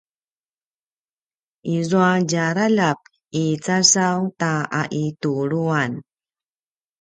izua djaraljap i casaw ta aituluan